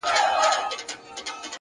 • څه مسته نسه مي پـــه وجود كي ده ـ